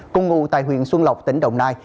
công ngụ tại huyện xuân lộc tỉnh đồng nai